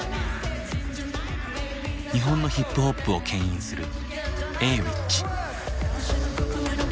日本のヒップホップをけん引するＡｗｉｃｈ。